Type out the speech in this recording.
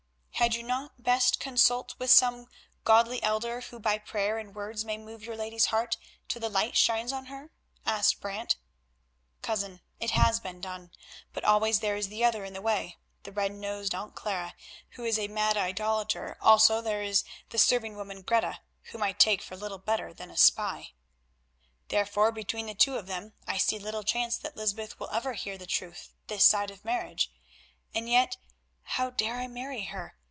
"Had you not best consult with some godly elder who by prayer and words may move your lady's heart till the light shines on her?" asked Brant. "Cousin, it has been done, but always there is the other in the way, that red nosed Aunt Clara, who is a mad idolator; also there is the serving woman, Greta, whom I take for little better than a spy. Therefore, between the two of them I see little chance that Lysbeth will ever hear the truth this side of marriage. And yet how dare I marry her?